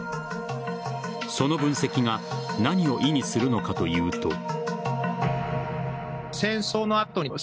その分析が何を意味するのかというと。